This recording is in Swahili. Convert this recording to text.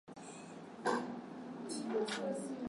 Wachezaji gani wengine wanaoshabihisha orodha hii